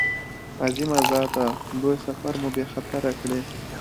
عظیمه ذاته لوی سفر مو بې خطره کړې.